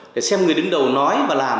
để xem người đứng đầu nói và làm